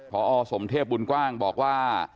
พอสมเทพบุญกว้างบอกว่า